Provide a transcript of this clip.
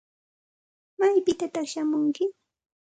¿Maypitataq shamunki?